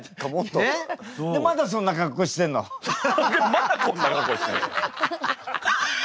まだこんなことしてんの。